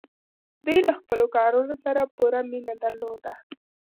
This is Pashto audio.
دوی له خپلو کارونو سره پوره مینه درلوده.